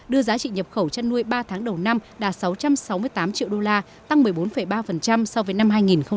đưa giá trị nhập khẩu chăn nuôi ba tháng đầu năm đạt sáu trăm sáu mươi tám triệu đô la tăng một mươi bốn ba so với năm hai nghìn một mươi bảy